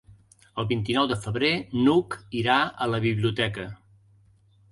El vint-i-nou de febrer n'Hug irà a la biblioteca.